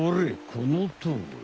このとおり。